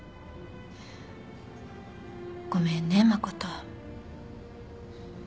ごめんね誠。